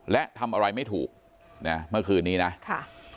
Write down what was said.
และทำอะไรไม่ถูกนะเมื่อคืนนี้นะค่ะ